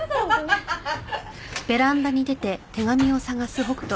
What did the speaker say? ハハハハッ！